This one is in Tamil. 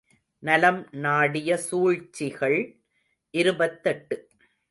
நலம் நாடிய சூழ்ச்சிகள் இருபத்தெட்டு.